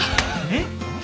えっ？